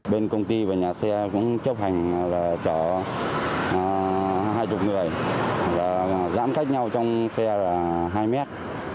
bên công ty và nhà xe cũng chấp hành là chở hai mươi người và giãn cách nhau trong xe là hai mét